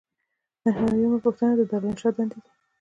نهه نوي یمه پوښتنه د دارالانشا دندې دي.